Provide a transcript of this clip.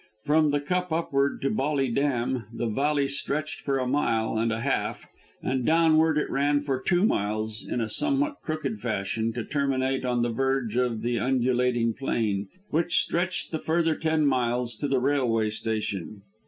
From the cup upward to Bolly Dam the valley stretched for a mile and a half, and downward it ran for two miles in a somewhat crooked fashion, to terminate on the verge of the undulating plain, which stretched the further ten miles to the railway station.